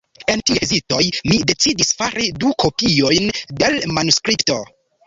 En tiuj hezitoj, mi decidis fari du kopiojn de l' manuskripto.